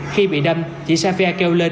khi bị đâm chị safia kêu lên